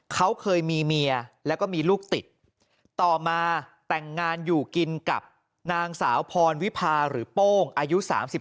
เขาเคยมีเมียแล้วก็มีลูกติดต่อมาแต่งงานอยู่กินกับนางสาวพรวิพาหรือโป้งอายุ๓๓